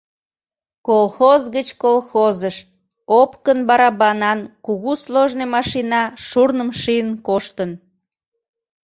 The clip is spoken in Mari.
Колхоз гыч колхозыш опкын барабанан кугу сложный машина шурным шийын коштын.